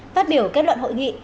phát biểu kết luận hội nghị